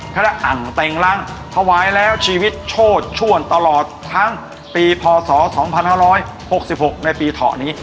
คณะอังเต็งรังถวายแล้วชีวิตโชดชวนตลอดทั้งปีพศ๒๕๖๖ในปีเถาะนี้